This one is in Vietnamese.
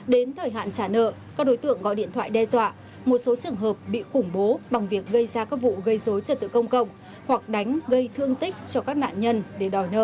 đến thời hạn trả nợ các đối tượng gọi điện thoại đe dọa một số trường hợp bị khủng bố bằng việc gây ra các vụ gây dối trật tự công cộng hoặc đánh gây thương tích cho các nạn nhân để đòi nợ